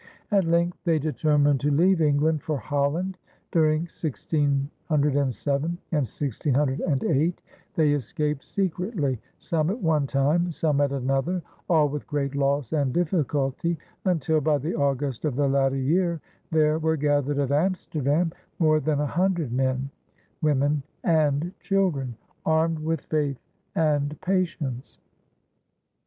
At length they determined to leave England for Holland. During 1607 and 1608 they escaped secretly, some at one time, some at another, all with great loss and difficulty, until by the August of the latter year there were gathered at Amsterdam more than a hundred men, women, and children, "armed with faith and patience."